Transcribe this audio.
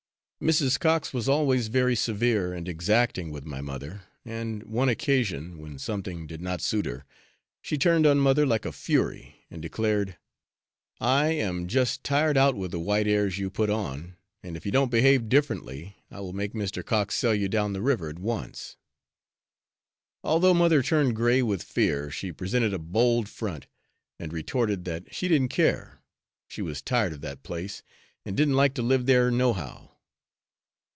Mrs. Cox was always very severe and exacting with my mother, and one occasion, when something did not suit her, she turned on mother like a fury, and declared, "I am just tired out with the 'white airs' you put on, and if you don't behave differently, I will make Mr. Cox sell you down the river at once." Although mother turned grey with fear, she presented a bold front and retorted that "she didn't care, she was tired of that place, and didn't like to live there, nohow."